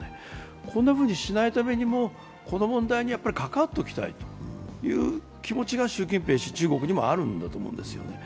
こんなふうにしないためにもこの問題に関わっておきたいという気持ちが気持ちが習近平氏、中国にもあるんだと思うんです。